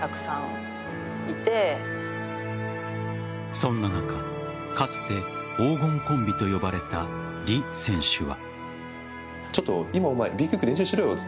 そんな中かつて、黄金コンビと呼ばれた李選手は。